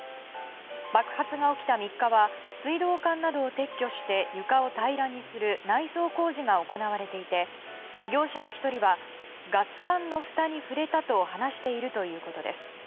爆発が起きた３日は水道管などを撤去して床を平らにする内装工事が行われていて業者の１人はガス管のふたに触れたと話しているということです。